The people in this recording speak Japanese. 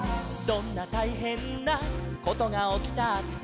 「どんなたいへんなことがおきたって」